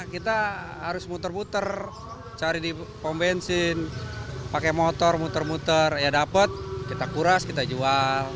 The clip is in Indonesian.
kita harus muter muter cari di pom bensin pakai motor muter muter ya dapat kita kuras kita jual